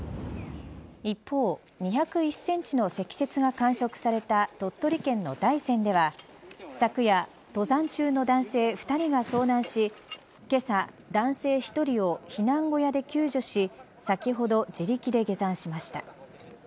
一方、２０１センチの積雪が観測された鳥取県の大山では昨夜、登山中の男性２人が遭難しけさ、男性１人を避難小屋で救助し先ほど自力で下山しました。